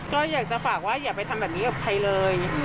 ก็อยากจะฝากว่าอย่าไปทำแบบนี้กับใครเลย